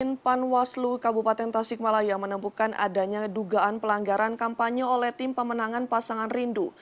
tim panwaslu kabupaten tasikmalaya menemukan adanya dugaan pelanggaran kampanye oleh tim pemenangan pasangan rindu